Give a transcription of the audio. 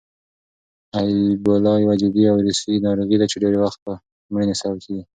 اېبولا یوه جدي ویروسي ناروغي ده چې ډېری وخت د مړینې سبب کېږي.